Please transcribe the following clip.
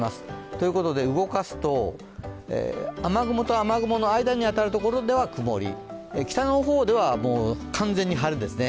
ということで動かすと雨雲と雨雲の間にあたるところでは曇り、北の方では完全に晴れですね。